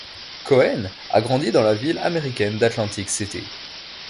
Cohen a grandi dans la ville américaine d'Atlantic City.